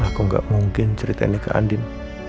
aku gak mungkin ceritain ini ke andien